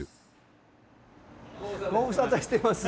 ご無沙汰してます。